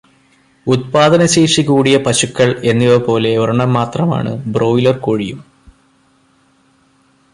ഉത്പാദനശേഷി കൂടിയ പശുക്കൾ എന്നിവ പോലെ ഒരെണ്ണം മാത്രമാണ് ബ്രോയ്ലർ കോഴിയും.